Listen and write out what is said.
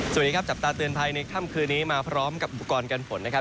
สวัสดีครับจับตาเตือนภัยในค่ำคืนนี้มาพร้อมกับอุปกรณ์การฝนนะครับ